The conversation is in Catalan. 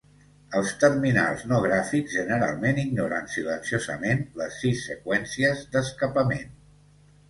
Els terminals no gràfics generalment ignoren silenciosament les sis seqüències d'escapament.